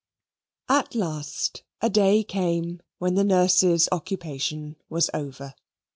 At last a day came when the nurse's occupation was over.